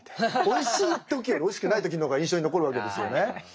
おいしい時よりおいしくない時の方が印象に残るわけですよね。